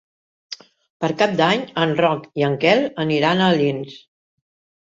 Per Cap d'Any en Roc i en Quel aniran a Alins.